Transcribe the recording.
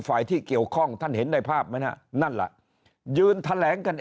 ฝ่ายที่เกี่ยวข้องทำได้ภาพไหมนะนั่นละยืนแถลงกัน